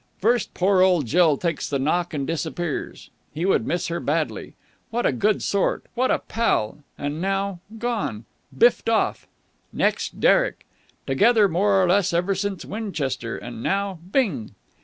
First, poor old Jill takes the knock and disappears. He would miss her badly. What a good sort! What a pal! And now gone. Biffed off. Next, Derek. Together, more or less, ever since Winchester, and now bing!...